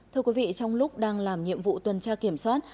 thưa quý vị trong lúc đang làm nhiệm vụ tuần tra kiểm soát